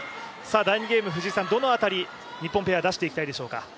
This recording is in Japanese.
第２ゲーム、どの辺り、日本ペア、出していきたいでしょうか？